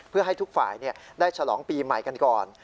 เพื่อให้ทุกฝ่ายได้ฉลองปีใหม่กันก่อน